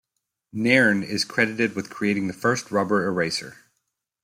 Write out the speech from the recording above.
Nairne is credited with creating the first rubber eraser.